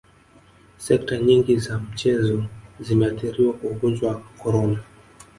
sekta nyingi za michezo zimeathiriwa kwa ugonjwa wa corona